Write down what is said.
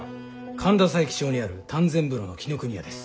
神田佐柄木町にある丹前風呂の紀伊国屋です。